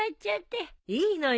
いいのよ。